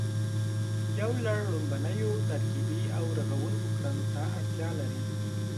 یو لړ ړومبنیو ترکیبي او رغوونکو کړنو ته اړتیا لري